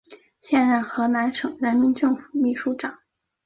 现任河南省人民政府秘书长。